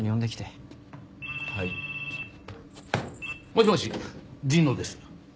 もしもし神野です。